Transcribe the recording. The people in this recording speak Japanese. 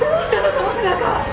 その背中！